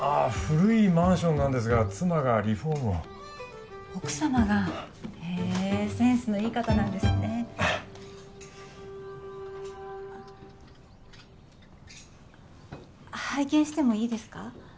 古いマンションなんですが妻がリフォームを奥様が？へえーセンスのいい方なんですね拝見してもいいですか？